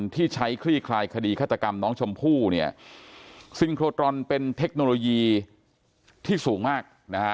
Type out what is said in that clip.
ที่ใช้คลี่คลายคดีฆาตกรรมน้องชมพู่เนี่ยซินโครตรอนเป็นเทคโนโลยีที่สูงมากนะฮะ